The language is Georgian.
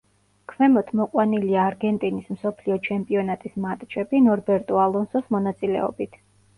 ქვემოთ მოყვანილია არგენტინის მსოფლიო ჩემპიონატის მატჩები ნორბერტო ალონსოს მონაწილეობით.